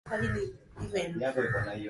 kwa maana nyingine hawajali hawajali ee